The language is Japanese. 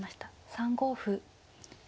３五歩。